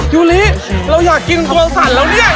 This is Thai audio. ยูริเราอยากกินตัวสั่นแล้วเนี่ย